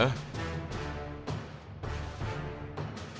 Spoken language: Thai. สำหรับอาหารของคุณจูตัน